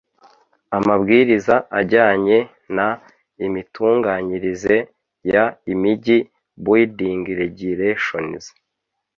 amabwiriza ajyanye n imitunganyirize y imijyi building regulations